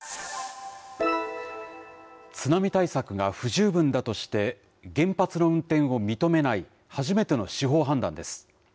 津波対策が不十分だとして、原発の運転を認めない初めての司法判断です。